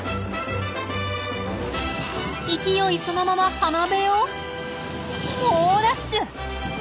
勢いそのまま浜辺を猛ダッシュ！